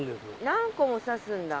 何個も刺すんだ。